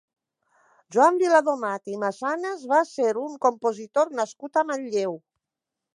Joan Viladomat i Massanas va ser un compositor nascut a Manlleu.